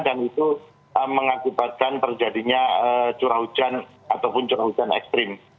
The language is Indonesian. dan itu mengakibatkan terjadinya curah hujan ataupun curah hujan ekstrim